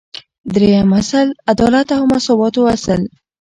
دریم اصل : عدالت او مساواتو اصل